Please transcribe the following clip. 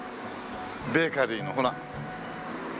ベーカリーのほら。